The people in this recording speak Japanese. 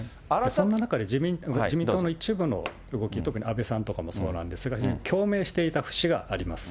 そんな中で自民党の一部の動き、特に安倍さんとかもそうなんですが、共鳴していた節があります。